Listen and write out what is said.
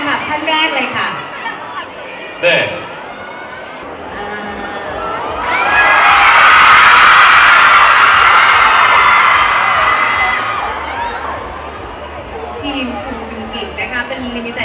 ค่ะพร้อมแล้วเชิญไปของท่านแรกเลยค่ะ